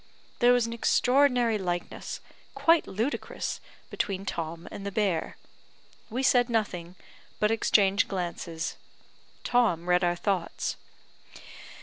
There was an extraordinary likeness, quite ludicrous, between Tom and the bear. We said nothing, but exchanged glances. Tom read our thoughts.